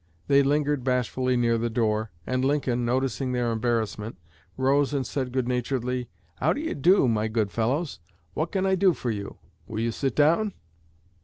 They lingered bashfully near the door, and Lincoln, noticing their embarrassment, rose and said good naturedly, "How do you do, my good fellows? What can I do for you? Will you sit down?"